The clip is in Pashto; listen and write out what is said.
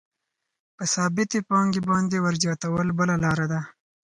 په ثابتې پانګې باندې ورزیاتول بله لاره ده